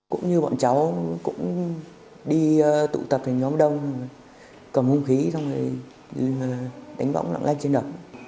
cũng như bọn cháu cũng đi tụ tập thành nhóm đông cầm hung khí xong rồi đánh bóng lặng lanh trên đường